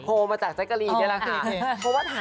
โพลมาจากใจกรีนเนี่ยแหละค่ะ